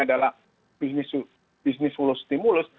adalah bisnis follow stimulus